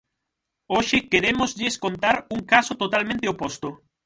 Hoxe querémoslles contar un caso totalmente oposto.